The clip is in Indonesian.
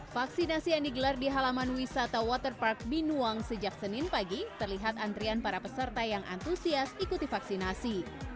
vaksinasi yang digelar di halaman wisata waterpark binuang sejak senin pagi terlihat antrian para peserta yang antusias ikuti vaksinasi